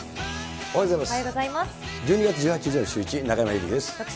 おはようございます。